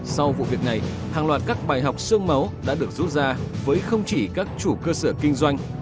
sau vụ việc này hàng loạt các bài học sương máu đã được rút ra với không chỉ các chủ cơ sở kinh doanh